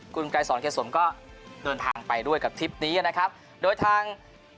คุณไกรสอนเกสมก็เดินทางไปด้วยกับทริปนี้นะครับโดยทาง